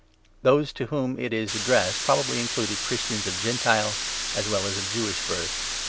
Those to whom it is addressed probably included Christians of Gentile, as well as of Jewish, birth (i.